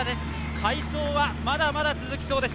快走はまだまだ続きそうです。